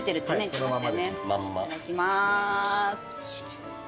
いただきます。